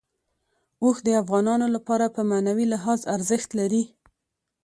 اوښ د افغانانو لپاره په معنوي لحاظ ارزښت لري.